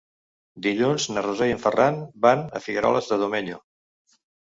Dilluns na Rosó i en Ferran van a Figueroles de Domenyo.